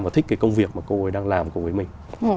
và thích cái công việc mà cô ấy đang làm cùng với mình